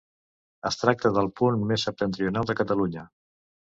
Es tracta del punt més septentrional de Catalunya.